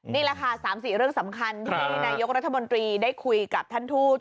นี่แหละค่ะ๓๔เรื่องสำคัญที่นายกรัฐมนตรีได้คุยกับท่านทูต